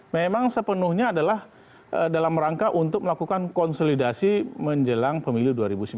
memang sepenuhnya adalah dalam rangka untuk melakukan konsolidasi menjelang pemilu dua ribu sembilan belas